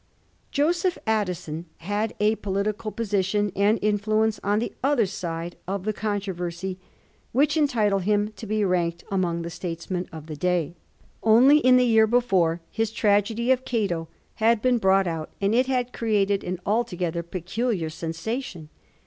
Joseph Addison had a political position and in fluence on the other side of the controversy which entitle him to be ranked among the statesmen of the day. Only in the year before his tragedy of ' Cato * had been brought out, and it had created an altogether peculiar sensation.